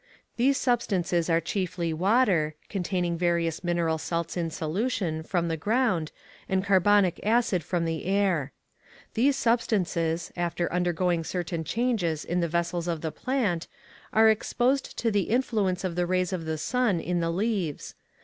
These substances are chiefly water, containing various mineral salts in solution, from the ground, and carbonic acid from the air. These substances, after undergoing certain changes in the vessels of the plant, are exposed to the influence of the rays of the sun in the leaves.